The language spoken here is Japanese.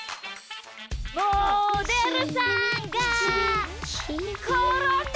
モデルさんがころんだ！